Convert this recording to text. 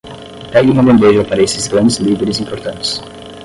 Pegue uma bandeja para esses grandes líderes importantes.